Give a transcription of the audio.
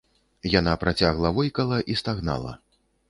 Яна працягла войкала і стагнала.